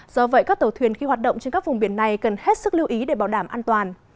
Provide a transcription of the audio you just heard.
do vậy các tàu thuyền khi hoạt động trên các vùng biển này cần hết sức lưu ý để bảo đảm an toàn